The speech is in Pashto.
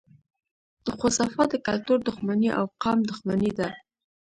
خو صفا د کلتور دښمني او قام دښمني ده